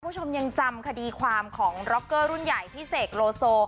คุณผู้ชมยังจำคดีความของร็อกเกอร์รุ่นใหญ่พี่เสกโลโซ